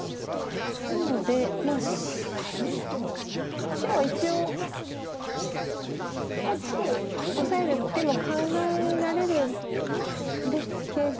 なので白は一応こっちにオサえる手も考えられるんですけど。